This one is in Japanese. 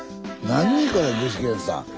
何これ具志堅さん。